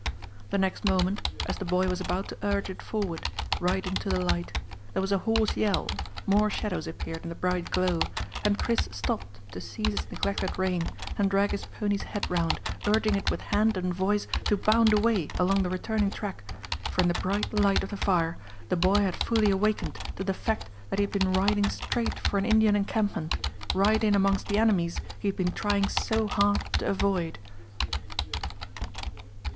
The next moment, as the boy was about to urge it forward right into the light, there was a hoarse yell, more shadows appeared in the bright glow, and Chris stopped to seize his neglected rein, and drag his pony's head round, urging it with hand and voice to bound away along the returning track, for in the bright light of the fire the boy had fully awakened to the fact that he had been riding straight for an Indian encampment, right in amongst the enemies he had been trying so hard to avoid.